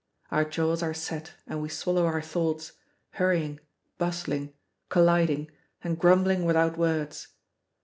Our jaws are set and we swallow our thoughts, hurrying, bustling, colliding, and grumbling without words.